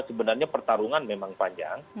sebenarnya pertarungan memang panjang